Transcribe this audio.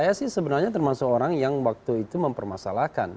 tapi itu sebenarnya termasuk orang yang waktu itu mempermasalahkan